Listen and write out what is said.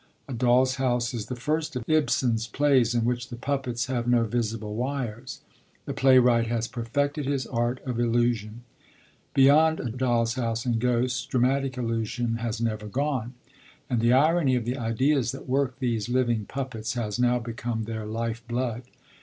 A Doll's House is the first of Ibsen's plays in which the puppets have no visible wires. The playwright has perfected his art of illusion; beyond A Doll's House and Ghosts dramatic illusion has never gone. And the irony of the ideas that work these living puppets has now become their life blood.